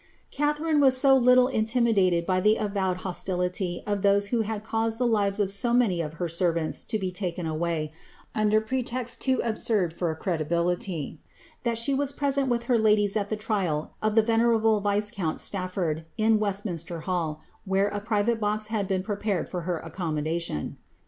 Catharine was so little intimidated bv the avowed hostility of those who had caused the lives of so manv of her servants to be taken awiT, under pretexts too absurd for credibility, that she was present with her ladies at the trial of the venerable vi<fcount Stafford, in Westminster HiU) where a private box had been prepared for her accommodation.